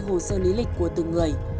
hồ sơ lý lịch của từng người